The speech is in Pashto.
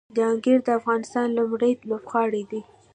جهانګیر د افغانستان لومړنی لوبغاړی دی